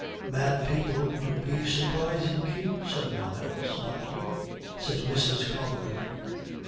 "Mad people do be surprisin' cute some whiles, mind you," said Mrs. Carbery.